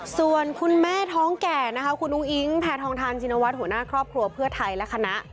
ส่วนคุณแม่ท้องแก่นะคะคุณอุ้งอิ๊งแพทองทานชินวัฒน์หัวหน้าครอบครัวเพื่อไทยและคณะ